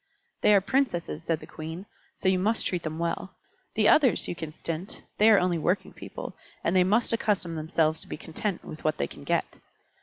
"They are Princesses," said the Queen, "so you must treat them well. The others you can stint; they are only working people, and they must accustom themselves to be content with what they can get."